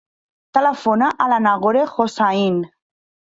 Telefona a la Nagore Hossain.